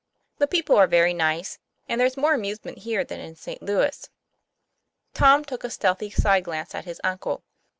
'The people are very nice; and there's more amusement here than in St. Louis." Tom took a stealthy side glance at his uncle.